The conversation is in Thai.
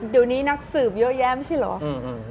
เดี๋ยวนี้นักสืบเยอะแยะไม่ใช่เหรอ